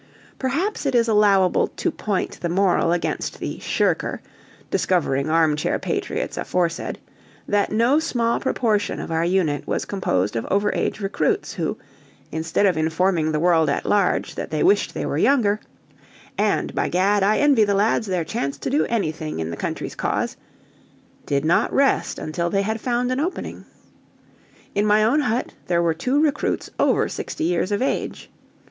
Perhaps it is allowable to point the moral against the "shirker" discovering armchair patriots aforesaid: that no small proportion of our unit was composed of over age recruits who, instead of informing the world at large that they wished they were younger, "And, by Gad, I envy the lads their chance to do anything in the country's cause," did not rest until they had found an opening. In my own hut there were two recruits over sixty years of age.